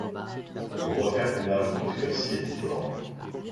Pour refaire ton âme obscurcie et difforme